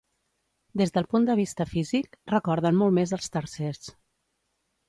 Des del punt de vista físic, recorden molt més als tarsers.